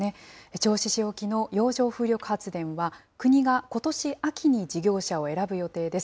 銚子市沖の洋上風力発電は、国がことし秋に事業者を選ぶ予定です。